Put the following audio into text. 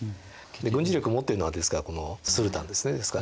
軍事力を持ってるのはですからこのスルタンですね。